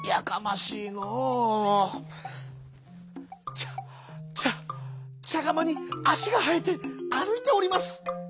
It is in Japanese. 「ちゃちゃちゃがまにあしがはえてあるいております」。